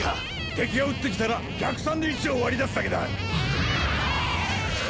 敵が撃ってきたら逆算で位置を割り出すだけだ。